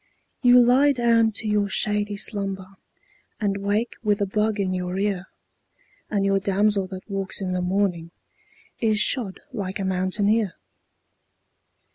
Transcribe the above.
You lie down to your shady slumber And wake with a bug in your ear, And your damsel that walks in the morning Is shod like a mountaineer.